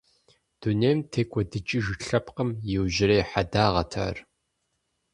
Дунейм текӀуэдыкӀыж лъэпкъым и иужьрей хьэдагъэт ар…